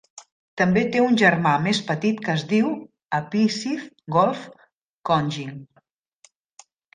També te un germà més petit que es diu Apisith Golf Kongying.